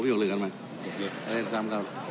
พบยกเลิกกันไหม